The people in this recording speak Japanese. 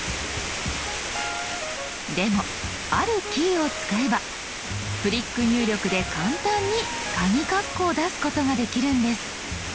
でもあるキーを使えばフリック入力で簡単にカギカッコを出すことができるんです。